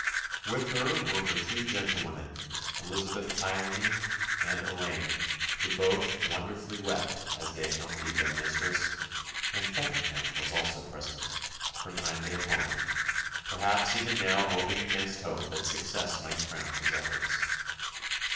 With her were her two gentlewomen, Elizabeth Tylney and Eleyn, who both "wonderfully wept" as they accompanied their mistress; and Feckenham was also present, her kindly opponent, perhaps even now hoping against hope that success might crown his efforts.